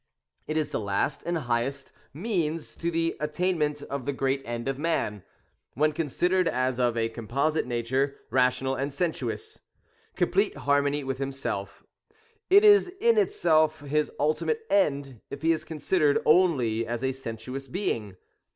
It is the last and highest means to the attain ment of the great end of man, when considered as of a composite nature, rational and sensuous; — complete har mony with himself :— it is in itself his ultimate end if he is considered only as a sensuous being.